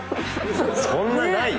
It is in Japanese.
そんなないから。